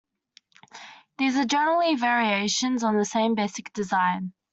These are generally variations on the same basic design.